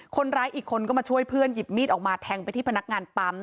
คนร้ายอีกคนก็มาช่วยเพื่อนหยิบมีดออกมาแทงไปที่พนักงานปั๊ม